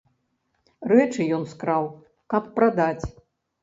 Рэчы ён скраў, каб прадаць.